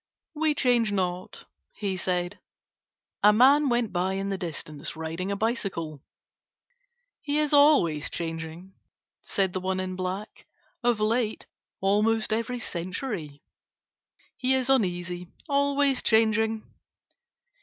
"We change not," he said. A man went by in the distance riding a bicycle. "He is always changing," said the one in black, "of late almost every century. He is uneasy. Always changing."